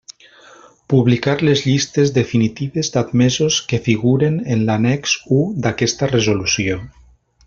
Publicar les llistes definitives d'admesos que figuren en l'annex u d'aquesta resolució.